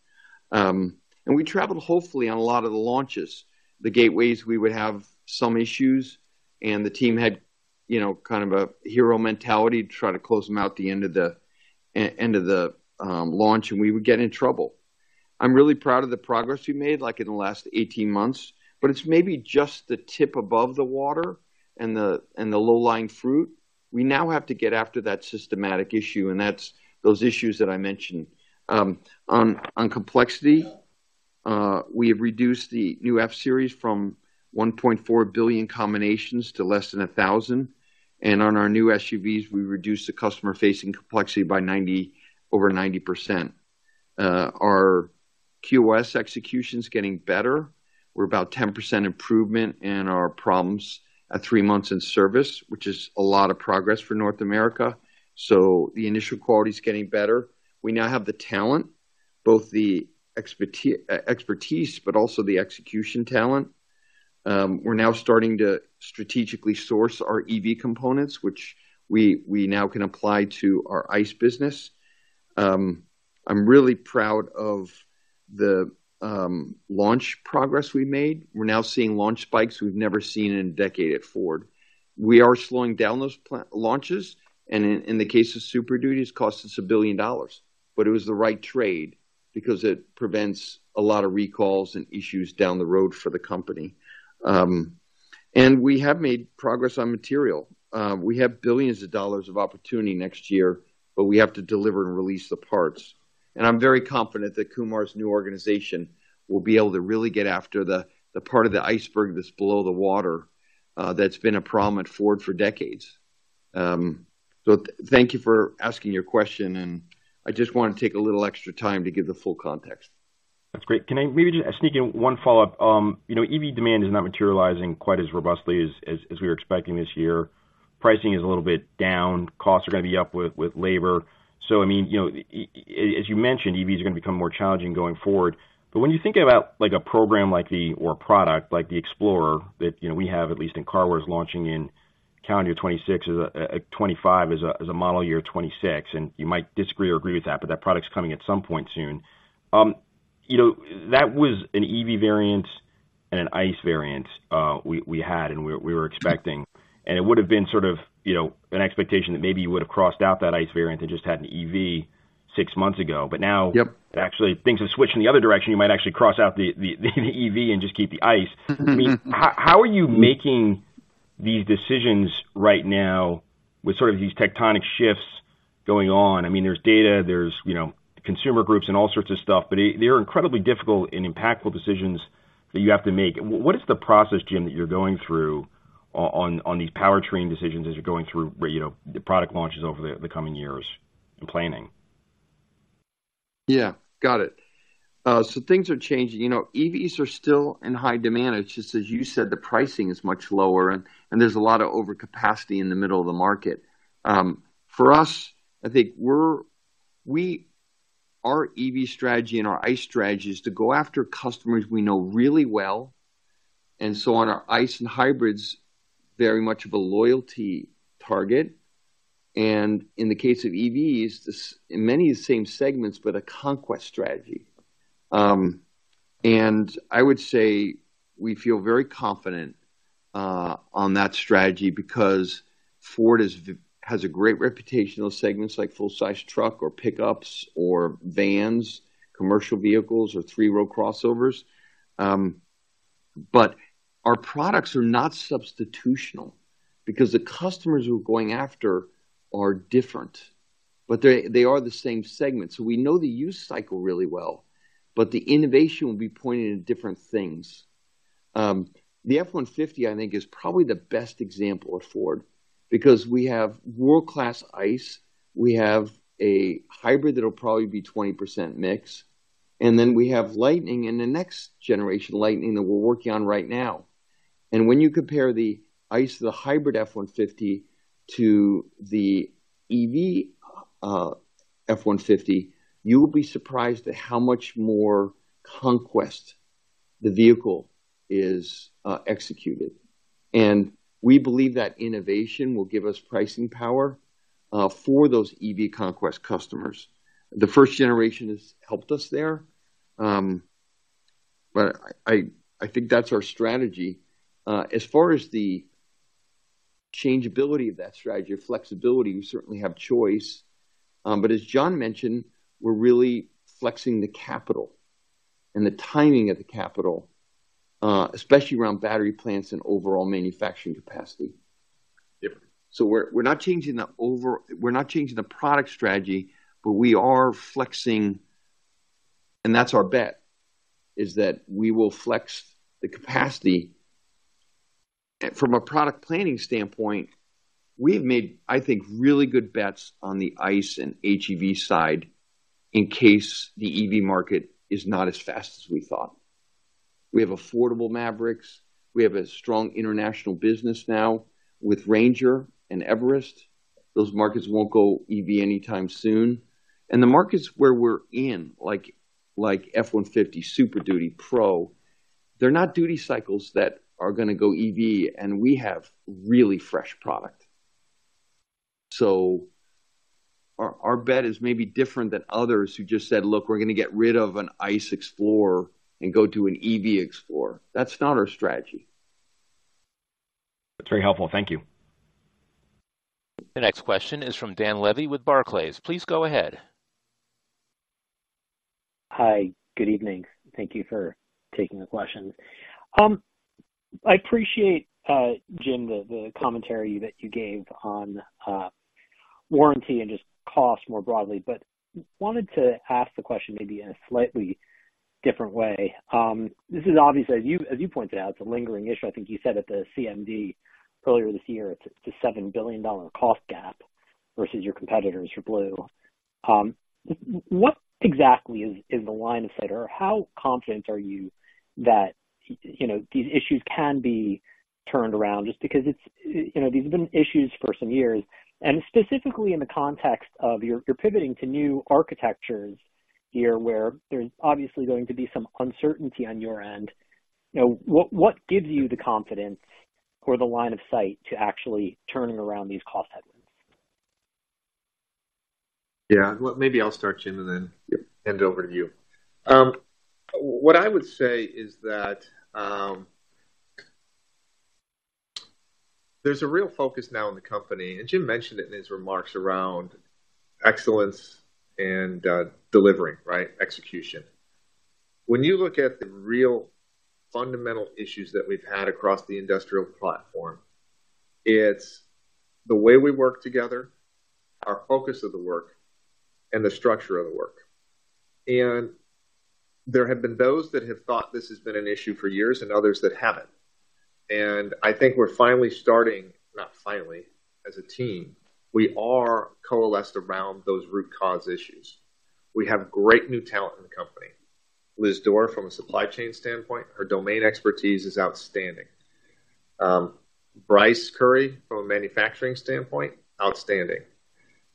And we traveled hopefully on a lot of the launches. The gateways, we would have some issues, and the team had, you know, kind of a hero mentality to try to close them out at the end of the, end of the launch, and we would get in trouble. I'm really proud of the progress we made, like in the last 18 months, but it's maybe just the tip above the water and the, and the low-lying fruit. We now have to get after that systematic issue, and that's those issues that I mentioned. On complexity, we have reduced the new F-Series from 1.4 billion combinations to less than 1,000, and on our new SUVs, we reduced the customer-facing complexity by 90... over 90%. Our QOS execution's getting better. We're about 10% improvement in our problems at three months in service, which is a lot of progress for North America. The initial quality is getting better. We now have the talent, both the expertise, but also the execution talent. We're now starting to strategically source our EV components, which we now can apply to our ICE business. I'm really proud of the launch progress we made. We're now seeing launch spikes we've never seen in a decade at Ford. We are slowing down those launches, and in the case of Super Duty, it's cost us $1 billion. It was the right trade because it prevents a lot of recalls and issues down the road for the company. We have made progress on material. We have billions of dollars of opportunity next year, but we have to deliver and release the parts. I'm very confident that Kumar's new organization will be able to really get after the, the part of the iceberg that's below the water, that's been a problem at Ford for decades. Thank you for asking your question, and I just want to take a little extra time to give the full context. That's great. Can I maybe just sneak in one follow-up? You know, EV demand is not materializing quite as robustly as we were expecting this year. Pricing is a little bit down. Costs are gonna be up with labor. So I mean, you know, as you mentioned, EVs are gonna become more challenging going forward. But when you think about, like, a program like the... or a product like the Explorer that, you know, we have at least in Car Wars, launching in calendar 2026 as a twenty-five as a model year 2026, and you might disagree or agree with that, but that product's coming at some point soon. You know, that was an EV variant and an ICE variant, we had and we were expecting, and it would've been sort of, you know, an expectation that maybe you would've crossed out that ICE variant and just had an EV six months ago. But now- Yep. Actually, things have switched in the other direction. You might actually cross out the, the, the EV and just keep the ICE. I mean, how are you making these decisions right now with sort of these tectonic shifts going on? I mean, there's data, there's, you know, consumer groups and all sorts of stuff, but they're incredibly difficult and impactful decisions that you have to make. What is the process, Jim, that you're going through on these powertrain decisions as you're going through, where, you know, the product launches over the coming years and planning? Yeah, got it. So things are changing. You know, EVs are still in high demand. It's just, as you said, the pricing is much lower and, and there's a lot of overcapacity in the middle of the market. For us, I think we our EV strategy and our ICE strategy is to go after customers we know really well, and so on our ICE and hybrids, very much of a loyalty target, and in the case of EVs, this in many of the same segments, but a conquest strategy. And I would say we feel very confident on that strategy because Ford has a great reputation in those segments, like full size truck or pickups or vans, commercial vehicles, or three-row crossovers. Our products are not substitutional because the customers we're going after are different, but they are the same segment, so we know the use cycle really well, but the innovation will be pointed in different things. The F-150, I think, is probably the best example at Ford because we have world-class ICE, we have a hybrid that'll probably be 20% mix, and then we have Lightning and the next generation Lightning that we're working on right now. When you compare the ICE to the hybrid F-150 to the EV F-150, you will be surprised at how much more conquest-... the vehicle is executed. We believe that innovation will give us pricing power for those EV conquest customers. The first generation has helped us there. I think that's our strategy. As far as the changeability of that strategy or flexibility, we certainly have choice. But as John mentioned, we're really flexing the capital and the timing of the capital, especially around battery plants and overall manufacturing capacity. So we're not changing the product strategy, but we are flexing, and that's our bet, is that we will flex the capacity. From a product planning standpoint, we have made, I think, really good bets on the ICE and HEV side in case the EV market is not as fast as we thought. We have affordable Mavericks. We have a strong international business now with Ranger and Everest. Those markets won't go EV anytime soon. And the markets where we're in, like F-150, Super Duty, Pro, they're not duty cycles that are going to go EV, and we have really fresh product. So our bet is maybe different than others who just said, "Look, we're going to get rid of an ICE Explorer and go to an EV Explorer." That's not our strategy. That's very helpful. Thank you. The next question is from Dan Levy with Barclays. Please go ahead. Hi, good evening. Thank you for taking the question. I appreciate, Jim, the commentary that you gave on warranty and just cost more broadly, but wanted to ask the question maybe in a slightly different way. This is obviously, as you pointed out, it's a lingering issue. I think you said at the CMD earlier this year, it's a $7 billion cost gap versus your competitors for Blue. What exactly is the line of sight, or how confident are you that, you know, these issues can be turned around? Just because it's you know, these have been issues for some years, and specifically in the context of you're pivoting to new architectures here, where there's obviously going to be some uncertainty on your end. Now, what gives you the confidence or the line of sight to actually turning around these cost headwinds? Yeah. Well, maybe I'll start, Jim, and then- Yep. Hand it over to you. What I would say is that, there's a real focus now in the company, and Jim mentioned it in his remarks around excellence and, delivering, right? Execution. When you look at the real fundamental issues that we've had across the industrial platform, it's the way we work together, our focus of the work, and the structure of the work. And there have been those that have thought this has been an issue for years and others that haven't. And I think we're finally starting, not finally, as a team, we are coalesced around those root cause issues. We have great new talent in the company. Liz Door, from a supply chain standpoint, her domain expertise is outstanding. Bryce Currie, from a manufacturing standpoint, outstanding.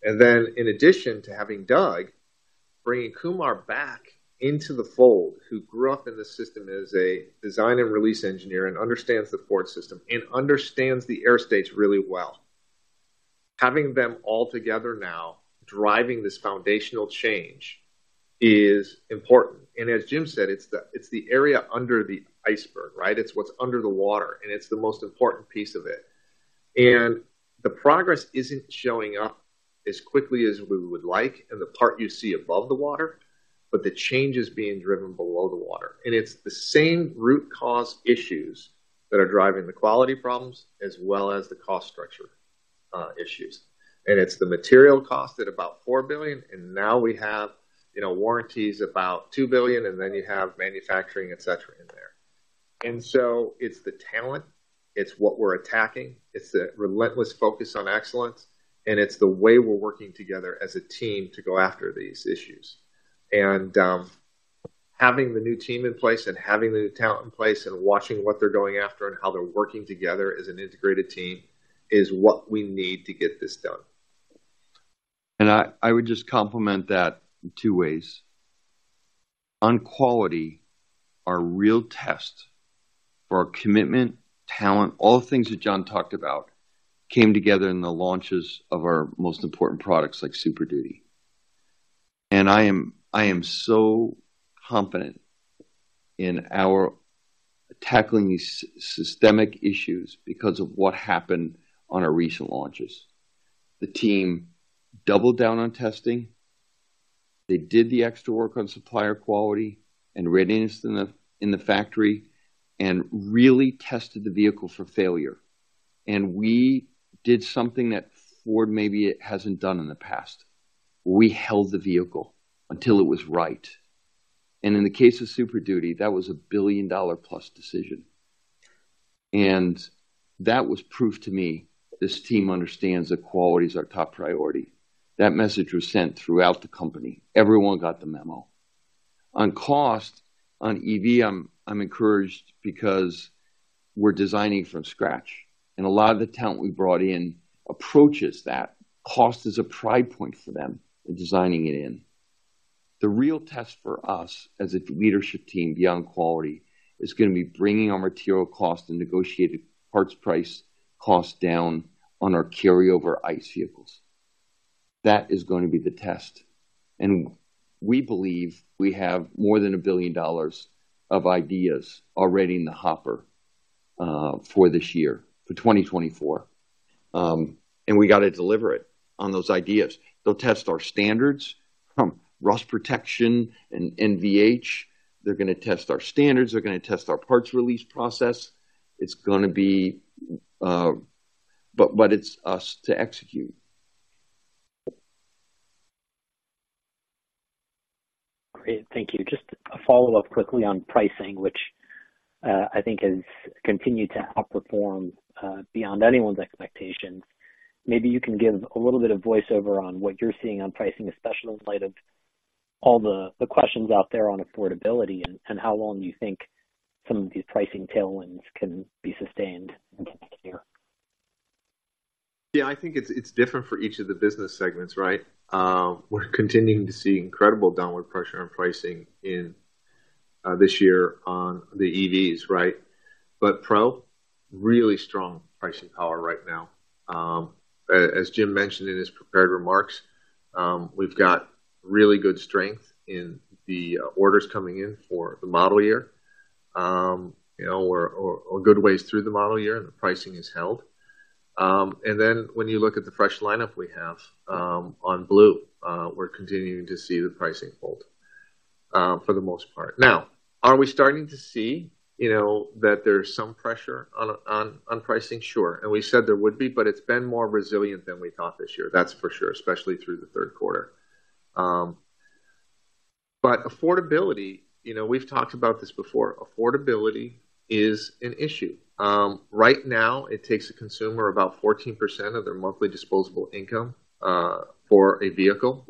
And then in addition to having Doug, bringing Kumar back into the fold, who grew up in the system as a design and release engineer and understands the Ford system and understands the error states really well. Having them all together now, driving this foundational change is important. And as Jim said, it's the area under the iceberg, right? It's what's under the water, and it's the most important piece of it. And the progress isn't showing up as quickly as we would like, and the part you see above the water, but the change is being driven below the water. And it's the same root cause issues that are driving the quality problems as well as the cost structure, issues. It's the material cost at about $4 billion, and now we have, you know, warranties about $2 billion, and then you have manufacturing, et cetera, in there. So it's the talent, it's what we're attacking, it's the relentless focus on excellence, and it's the way we're working together as a team to go after these issues. And having the new team in place and having the new talent in place and watching what they're going after and how they're working together as an integrated team is what we need to get this done. And I would just complement that in two ways. On quality, our real test for our commitment, talent, all the things that John talked about, came together in the launches of our most important products, like Super Duty. And I am so confident in our tackling these systemic issues because of what happened on our recent launches. The team doubled down on testing. They did the extra work on supplier quality and readiness in the factory and really tested the vehicle for failure. And we did something that Ford maybe hasn't done in the past. We held the vehicle until it was right. And in the case of Super Duty, that was a $1 billion-plus decision. And that was proof to me this team understands that quality is our top priority. That message was sent throughout the company. Everyone got the memo. On cost, on EV, I'm encouraged because-... we're designing from scratch, and a lot of the talent we brought in approaches that. Cost is a pride point for them in designing it in. The real test for us as a leadership team, beyond quality, is gonna be bringing our material cost and negotiated parts price cost down on our carryover ICE vehicles. That is going to be the test, and we believe we have more than $1 billion of ideas already in the hopper for this year, for 2024. And we got to deliver it on those ideas. They'll test our standards from rust protection and NVH. They're gonna test our standards. They're gonna test our parts release process. It's gonna be, but, but it's us to execute. Great. Thank you. Just a follow-up quickly on pricing, which, I think has continued to outperform, beyond anyone's expectations. Maybe you can give a little bit of voice over on what you're seeing on pricing, especially in light of all the questions out there on affordability, and how long you think some of these pricing tailwinds can be sustained into next year? Yeah, I think it's different for each of the business segments, right? We're continuing to see incredible downward pressure on pricing this year on the EVs, right? Pro, really strong pricing power right now. As Jim mentioned in his prepared remarks, we've got really good strength in the orders coming in for the model year. You know, we're a good ways through the model year, and the pricing has held. When you look at the fresh lineup we have on Blue, we're continuing to see the pricing hold, for the most part. Now, are we starting to see, you know, that there's some pressure on pricing? Sure, and we said there would be, but it's been more resilient than we thought this year. That's for sure, especially through the Q3. But affordability, you know, we've talked about this before, affordability is an issue. Right now, it takes a consumer about 14% of their monthly disposable income for a vehicle.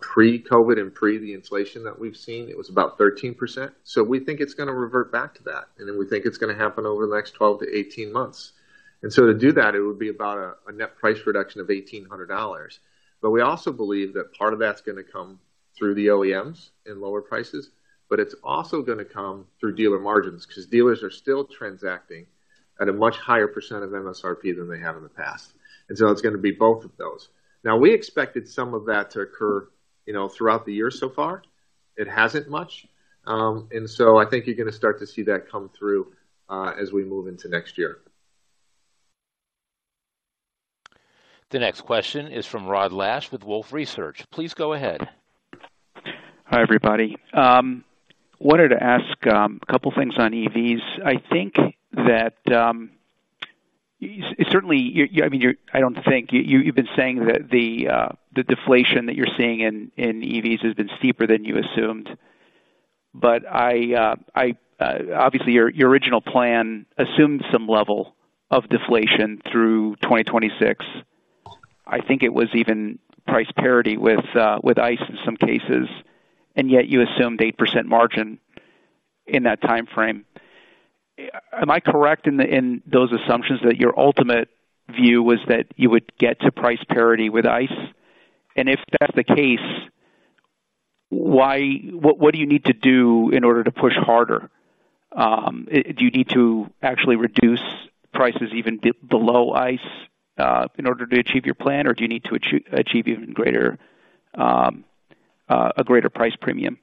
Pre-COVID and pre the inflation that we've seen, it was about 13%. So we think it's gonna revert back to that, and then we think it's gonna happen over the next 12-18 months. And so to do that, it would be about a net price reduction of $1,800. But we also believe that part of that's gonna come through the OEMs in lower prices, but it's also gonna come through dealer margins, because dealers are still transacting at a much higher percent of MSRP than they have in the past. And so it's gonna be both of those. Now, we expected some of that to occur, you know, throughout the year so far. It hasn't much, and so I think you're gonna start to see that come through, as we move into next year. The next question is from Rod Lache with Wolfe Research. Please go ahead. Hi, everybody. I wanted to ask a couple things on EVs. I think that, certainly, you—I mean, you're... I don't think. You, you've been saying that the deflation that you're seeing in EVs has been steeper than you assumed. Obviously, your original plan assumed some level of deflation through 2026. I think it was even price parity with ICE in some cases, and yet you assumed 8% margin in that time frame. Am I correct in those assumptions, that your ultimate view was that you would get to price parity with ICE? If that's the case, what do you need to do in order to push harder? Do you need to actually reduce prices even below ICE, in order to achieve your plan, or do you need to achieve even greater, a greater price premium?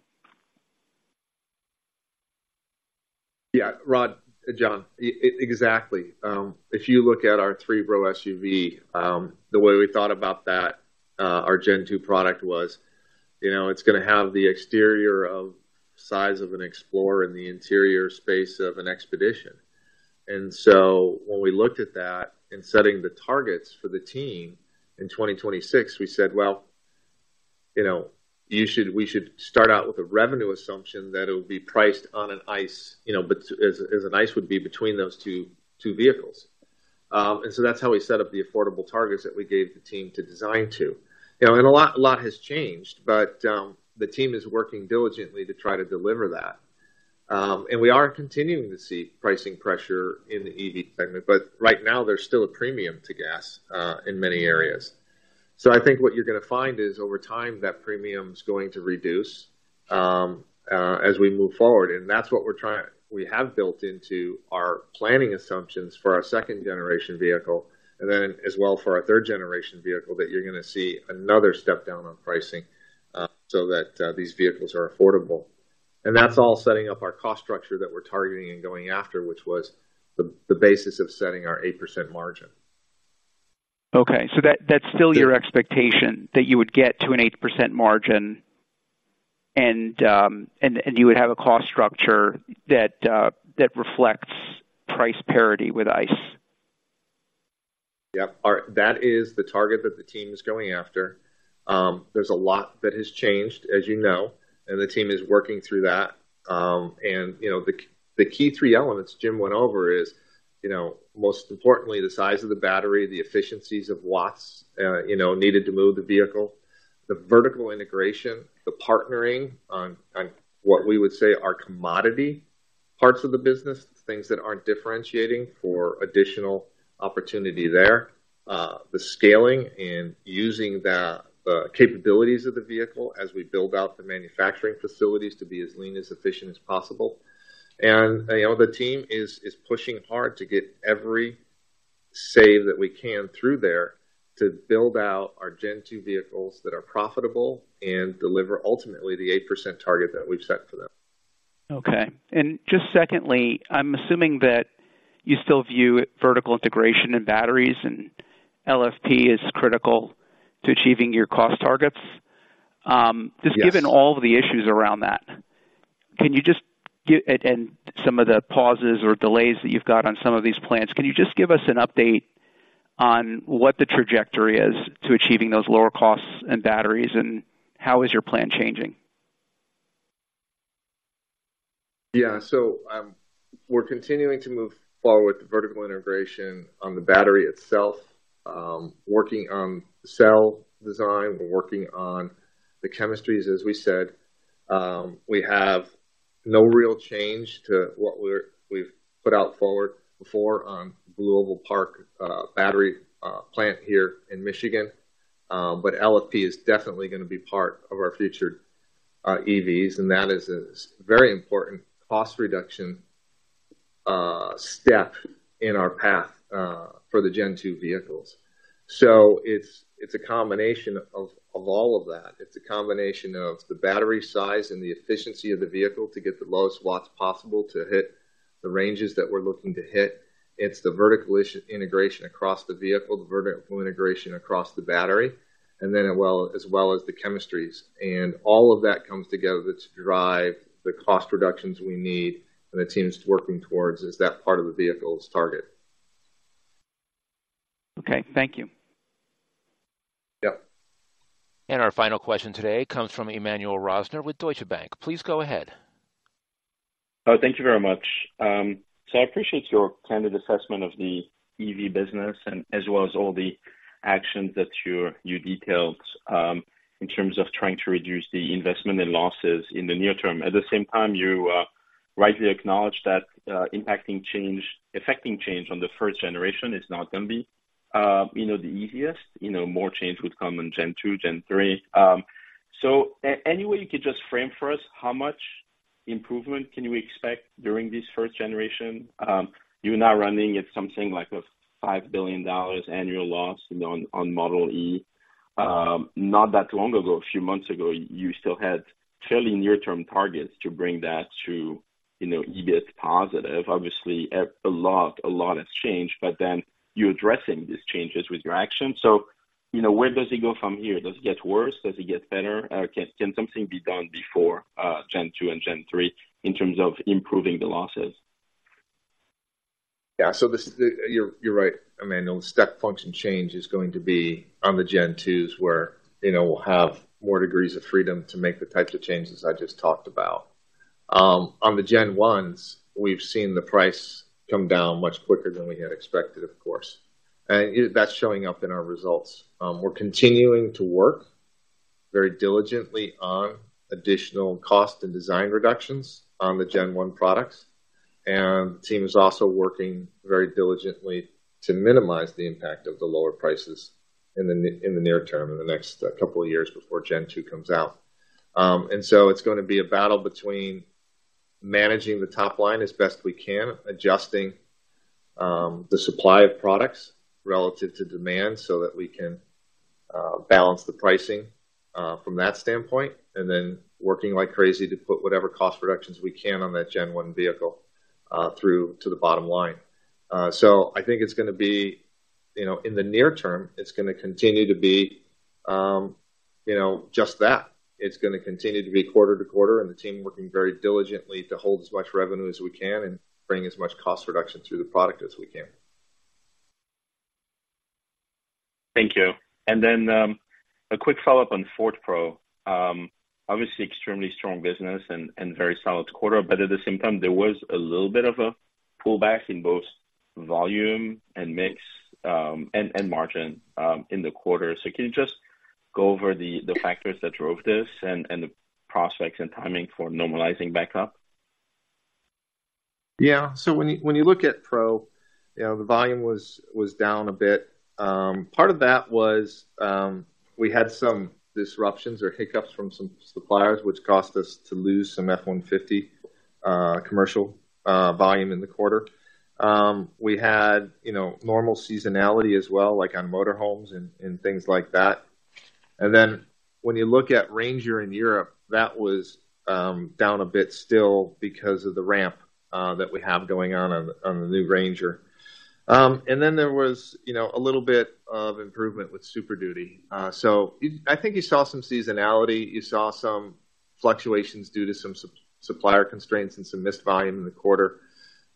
Yeah. Rod, John, exactly. If you look at our three-row SUV, the way we thought about that, our Gen Two product was, you know, it's gonna have the exterior size of an Explorer and the interior space of an Expedition. When we looked at that in setting the targets for the team in 2026, we said: Well, you know, we should start out with a revenue assumption that it would be priced on an ICE, you know, but as an ICE would be between those two vehicles. That's how we set up the affordable targets that we gave the team to design to. You know, a lot has changed, but the team is working diligently to try to deliver that. We are continuing to see pricing pressure in the EV segment, but right now there's still a premium to gas in many areas. I think what you're gonna find is, over time, that premium's going to reduce as we move forward, and that's what we're trying—we have built into our planning assumptions for our second generation vehicle and then as well for our third generation vehicle, that you're gonna see another step down on pricing so that these vehicles are affordable. That's all setting up our cost structure that we're targeting and going after, which was the basis of setting our 8% margin. Okay, so that's still your expectation, that you would get to an 8% margin and you would have a cost structure that reflects price parity with ICE? Yeah. That is the target that the team is going after. There's a lot that has changed, as you know, and the team is working through that. And, you know, the key three elements Jim went over is, you know, most importantly, the size of the battery, the efficiencies of watts, you know, needed to move the vehicle... the vertical integration, the partnering on, on what we would say are commodity parts of the business, things that aren't differentiating for additional opportunity there. The scaling and using the capabilities of the vehicle as we build out the manufacturing facilities to be as lean, as efficient as possible. You know, the team is pushing hard to get every save that we can through there to build out our Gen Two vehicles that are profitable and deliver ultimately the 8% target that we've set for them. Okay. And just secondly, I'm assuming that you still view vertical integration in batteries and LFP is critical to achieving your cost targets? Yes. Just given all the issues around that, can you just give... And, and some of the pauses or delays that you've got on some of these plans, can you just give us an update on what the trajectory is to achieving those lower costs and batteries? And how is your plan changing? Yeah. We're continuing to move forward with the vertical integration on the battery itself, working on the cell design, we're working on the chemistries. As we said, we have no real change to what we've put out forward before on BlueOval Battery Park Michigan, battery plant here in Michigan. LFP is definitely going to be part of our future EVs, and that is a very important cost reduction step in our path for the Gen Two vehicles. It's a combination of all of that. It's a combination of the battery size and the efficiency of the vehicle to get the lowest watts possible to hit the ranges that we're looking to hit. It's the vertical integration across the vehicle, the vertical integration across the battery, as well as the chemistries. All of that comes together to drive the cost reductions we need, and the team's working towards is that part of the vehicles target. Okay, thank you. Yep. Our final question today comes from Emmanuel Rosner with Deutsche Bank. Please go ahead. Oh, thank you very much. So I appreciate your candid assessment of the EV business and as well as all the actions that you detailed in terms of trying to reduce the investment and losses in the near term. At the same time, you rightly acknowledge that effecting change on the first generation is not gonna be, you know, the easiest. You know, more change would come in Gen Two, Gen Three. So any way you could just frame for us, how much improvement can we expect during this first generation? You are now running at something like a $5 billion annual loss, you know, on Model e. Not that long ago, a few months ago, you still had fairly near-term targets to bring that to, you know, EBITDA positive. Obviously, a lot has changed, but then you're addressing these changes with your actions. So, you know, where does it go from here? Does it get worse? Does it get better? Can something be done before Gen Two and Gen Three in terms of improving the losses? Yeah, so this... You're right, Emmanuel. Step function change is going to be on the Gen Twos, where, you know, we'll have more degrees of freedom to make the types of changes I just talked about. On the Gen Ones, we've seen the price come down much quicker than we had expected, of course, and that's showing up in our results. We're continuing to work very diligently on additional cost and design reductions on the Gen One products, and the team is also working very diligently to minimize the impact of the lower prices in the near term, in the next couple of years before Gen Two comes out. And so it's gonna be a battle between managing the top line as best we can, adjusting the supply of products relative to demand, so that we can balance the pricing from that standpoint, and then working like crazy to put whatever cost reductions we can on that Gen One vehicle through to the bottom line. So I think it's gonna be, you know, in the near term, it's gonna continue to be, you know, just that. It's gonna continue to be quarter to quarter, and the team working very diligently to hold as much revenue as we can and bring as much cost reduction through the product as we can. Thank you. And then, a quick follow-up on Ford Pro. Obviously extremely strong business and very solid quarter, but at the same time, there was a little bit of a pullback in both volume and mix, and margin, in the quarter. So can you just go over the factors that drove this and the prospects and timing for normalizing back up? Yeah. So when you, when you look at Pro, you know, the volume was down a bit. Part of that was, we had some disruptions or hiccups from some suppliers, which caused us to lose some F-150 commercial volume in the quarter. We had, you know, normal seasonality as well, like on motorhomes and things like that. And then when you look at Ranger in Europe, that was down a bit still because of the ramp that we have going on on the new Ranger. And then there was, you know, a little bit of improvement with Super Duty. So I think you saw some seasonality, you saw some fluctuations due to some supplier constraints and some missed volume in the quarter.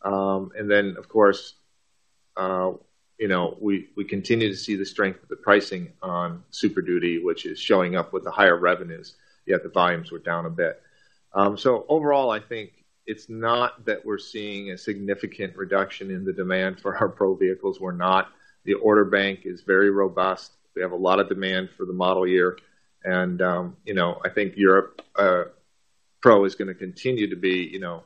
And then, of course, you know, we, we continue to see the strength of the pricing on Super Duty, which is showing up with the higher revenues, yet the volumes were down a bit. So overall, I think it's not that we're seeing a significant reduction in the demand for our Pro vehicles. We're not. The order bank is very robust. We have a lot of demand for the model year, and, you know, I think Europe Pro is gonna continue to be, you know,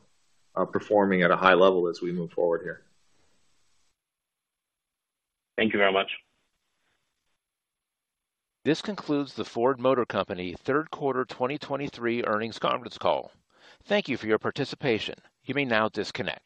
performing at a high level as we move forward here. Thank you very much. This concludes the Ford Motor Company Q3 2023 earnings conference call. Thank you for your participation. You may now disconnect.